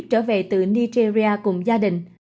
trở về từ nigeria cùng gia đình